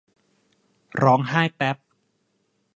ร้องไห้แปบ